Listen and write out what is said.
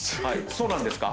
そうなんですか？